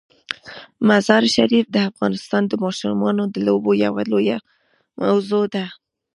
مزارشریف د افغانستان د ماشومانو د لوبو یوه لویه موضوع ده.